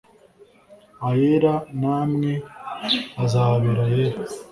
Ayera namwe azababera ayera